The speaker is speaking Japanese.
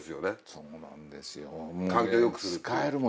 そうなんですよ。